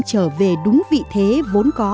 trở về đúng vị thế vốn có